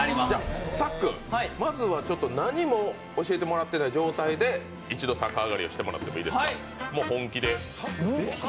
さっくん、まずは何も教えてもらってない状態で逆上がりしてもらっていいですかもう本気で。